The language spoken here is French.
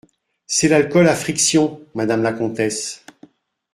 C’est l’alcool à frictions, madame la comtesse.